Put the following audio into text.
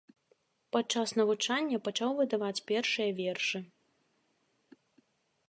Падчас навучання пачаў выдаваць першыя вершы.